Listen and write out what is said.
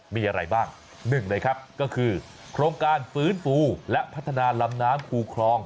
มีอะไรบ้าง๑ก็คือโครงการฝืนฟูและพัฒนาลำน้ำภูคลอง